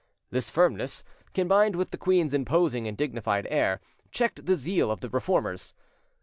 This firmness, combined with the queen's imposing and dignified air, checked the zeal of the Reformers.